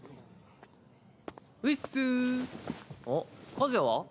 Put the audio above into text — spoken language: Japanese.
和也は？